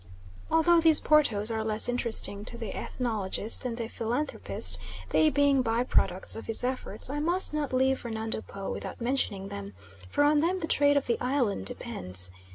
Although these Portos are less interesting to the ethnologist than the philanthropist, they being by products of his efforts, I must not leave Fernando Po without mentioning them, for on them the trade of the island depends.